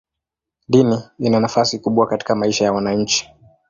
Dini ina nafasi kubwa katika maisha ya wananchi.